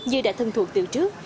như đã thân thuộc từ trước